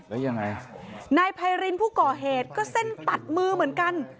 แล้วยังไงนายไพรินผู้ก่อเหตุก็เส้นปัดมือเหมือนกัน